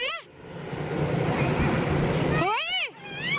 เฮ้ยใช่เหรอ